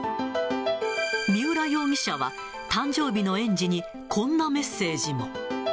三浦容疑者は、誕生日の園児に、こんなメッセージも。